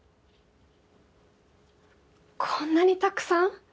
こんなにたくさん？